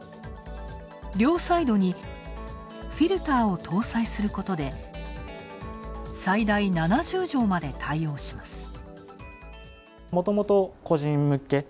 両サイドにフィルターを搭載することで最大７０畳まで対応します。